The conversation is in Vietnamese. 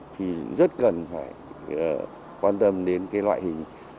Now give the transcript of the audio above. thì rất cần phải quan tâm đến cái loại hình